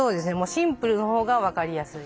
シンプルのほうが分かりやすい。